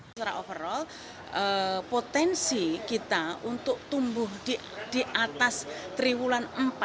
secara overall potensi kita untuk tumbuh di atas triwulan empat